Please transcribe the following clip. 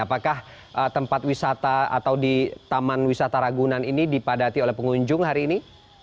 apakah tempat wisata atau di taman wisata ragunan ini dipadati oleh pengunjung hari ini